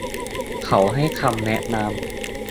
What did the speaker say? เขาให้คำแนะนำ